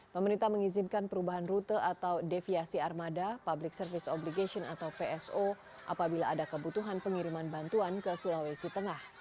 pemerintah mengizinkan perubahan rute atau deviasi armada public service obligation atau pso apabila ada kebutuhan pengiriman bantuan ke sulawesi tengah